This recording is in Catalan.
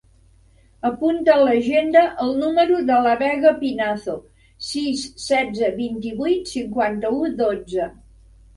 Apunta a l'agenda el número de la Vega Pinazo: sis, setze, vint-i-vuit, cinquanta-u, dotze.